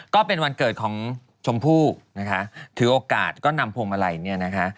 ก็เป็นวันเกิดของชมพู่นะคะถือโอกาสก็นำพวงมาลัยเนี่ยนะคะ